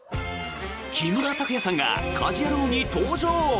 木村拓哉さんが「家事ヤロウ！！！」に登場！